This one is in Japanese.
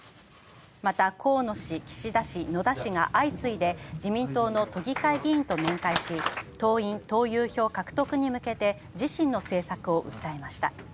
また河野氏、岸田氏、野田氏が相次いで自民党の都議会議員と面会し、地方の党員・党友票獲得に向けて自身の政策を訴えました。